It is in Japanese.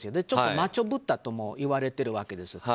ちょっとマッチョぶったともいわれているわけです。